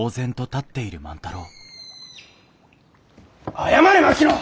謝れ槙野！